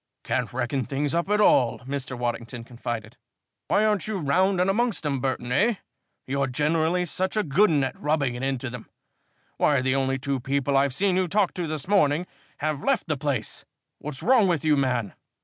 "Can't reckon things up at all," Mr. Waddington confided. "Why aren't you round and amongst 'em, Burton, eh? You're generally such a good 'un at rubbing it into them. Why, the only two people I've seen you talk to this morning have left the place! What's wrong with you, man?"